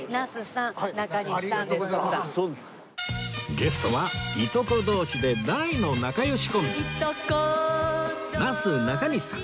ゲストはいとこ同士で大の仲良しコンビなすなかにしさん